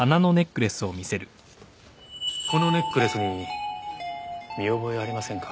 このネックレスに見覚えありませんか？